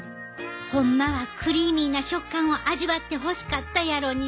ホンマはクリーミーな食感を味わってほしかったやろに。